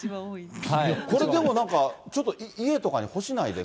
これ、でもなんか、ちょっと家とかにほしないですか？